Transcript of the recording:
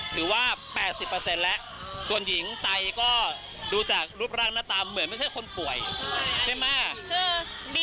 ถือว่า๘๐แล้วส่วนหญิงไตก็ดูจากรูปร่างหน้าตาเหมือนไม่ใช่คนป่วยใช่ไหม